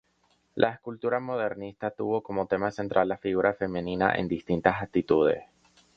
La escultura modernista tuvo como tema central la figura femenina en distintas actitudes.